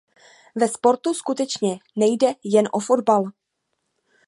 Ve sportu skutečně nejde jen o fotbal.